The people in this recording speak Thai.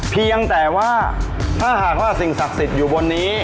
เพียงแต่ว่าถ้าหากว่าสิ่งศักดิ์สิทธิ์อยู่บนนี้